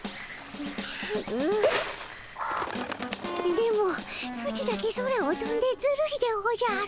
電ボソチだけ空をとんでずるいでおじゃる。